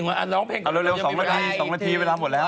เอาเร็ว๒นาทีเวลาหมดแล้ว